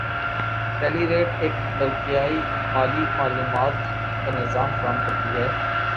ٹیلیریٹ ایک برقیائی مالی معلومات کا نظام فراہم کرتی ہے